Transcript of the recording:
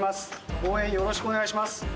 応援よろしくお願いします。